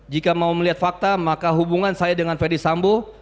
jika mau melihat fakta maka hubungan saya dengan ferdis sambo